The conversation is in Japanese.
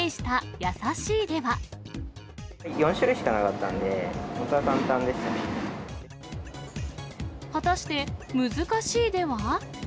４種類しかなかったので、果たして、むずかしいでは。